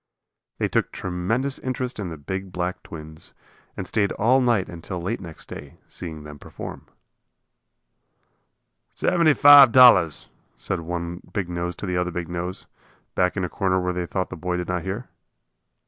They took tremendous interest in the big black twins, and stayed all night and till late next day, seeing them perform. "Seventy five dollars," said one big nose to the other big nose, back in a corner where they thought the boy did not hear.